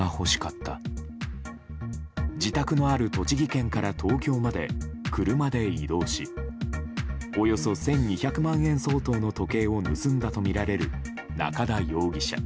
自宅がある栃木県から東京まで車で移動しおよそ１２００万円相当の時計を盗んだとみられる中田容疑者。